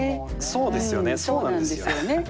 そうですよねそうなんですよ。